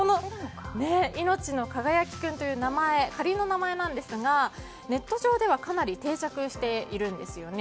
いのちのかがやきくんという名前は仮の名前なんですがネット上ではかなり定着しているんですね。